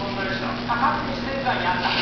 勝手に自然界にあった。